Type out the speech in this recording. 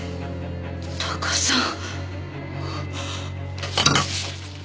タカさん？